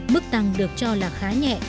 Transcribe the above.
mức tăng được cho là khá nhẹ